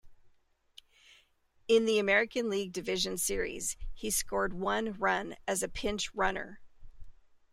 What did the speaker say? In the American League Division Series, he scored one run as a pinch-runner.